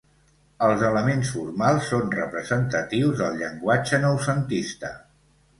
Els elements formals són representatius del llenguatge noucentista.